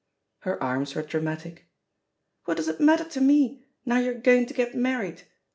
Her arms were dramatic. "What does it matter to me, now you're going to get married?